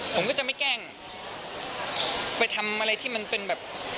ผมก็จะไม่แกล้งไปทำอะไรที่มันเป็นแบบ